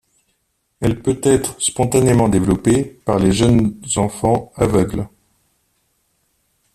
Elle peut-être spontanément développée par les jeunes enfants aveugle.